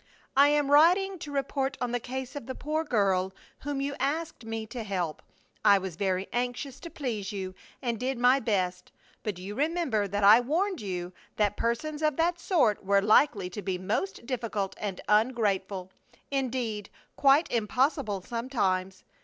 I am writing to report on the case of the poor girl whom you asked me to help. I was very anxious to please you and did my best; but you remember that I warned you that persons of that sort were likely to be most difficult and ungrateful indeed, quite impossible sometimes.